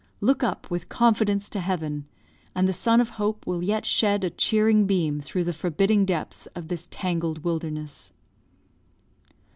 Look up with confidence to Heaven, and the sun of hope will yet shed a cheering beam through the forbidding depths of this tangled wilderness."